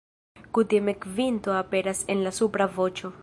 Kutime kvinto aperas en la supra voĉo.